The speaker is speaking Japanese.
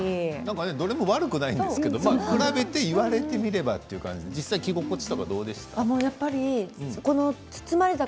どれも悪くないんですけど比べて、言われてみればという感じで、実際着心地はどうでしたか？